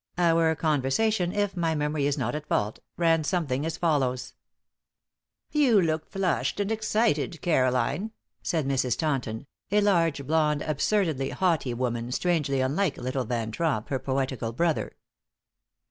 Our conversation, if my memory is not at fault, ran something as follows: "You look flushed and excited, Caroline," said Mrs. Taunton, a large, blond, absurdly haughty woman, strangely unlike little Van Tromp, her poetical brother.